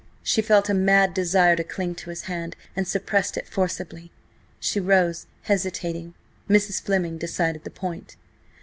She felt a mad desire to cling to his hand, and suppressed it forcibly. She rose, hesitating. Mrs. Fleming decided the point.